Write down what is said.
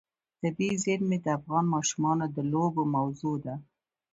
طبیعي زیرمې د افغان ماشومانو د لوبو موضوع ده.